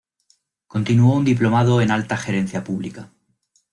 Continuó un Diplomado en Alta Gerencia Pública.